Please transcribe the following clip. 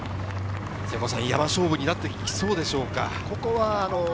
山勝負になってきそうでしょうか？